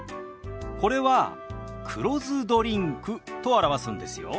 これは「黒酢ドリンク」と表すんですよ。